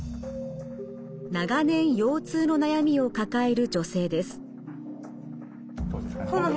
長年腰痛の悩みを抱える女性です。